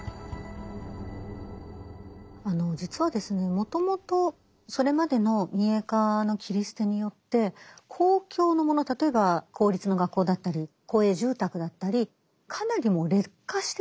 もともとそれまでの民営化の切り捨てによって公共のもの例えば公立の学校だったり公営住宅だったりかなりもう劣化してたんですね。